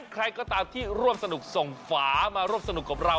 ใครก็ตามที่ร่วมสนุกส่งฝามาร่วมสนุกกับเรา